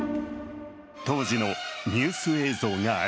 当時のニュース映像がある。